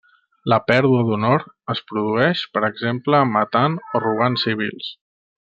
La pèrdua d'honor es produeix, per exemple, matant o robant civils.